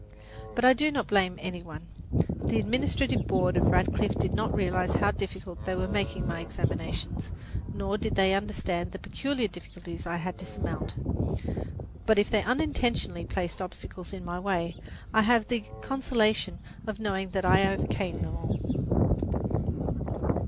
But I do not blame any one. The administrative board of Radcliffe did not realize how difficult they were making my examinations, nor did they understand the peculiar difficulties I had to surmount. But if they unintentionally placed obstacles in my way, I have the consolation of knowing that I overcame them all.